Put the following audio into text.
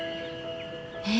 え？